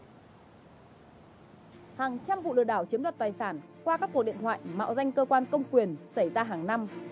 hàng trăm vụ lừa đảo chiếm đoạt tài sản qua các cuộc điện thoại mạo danh cơ quan công quyền xảy ra hàng năm